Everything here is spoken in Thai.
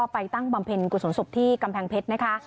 ตั้งบำเพ็ญกุศลศพที่กำแพงเพชรนะคะ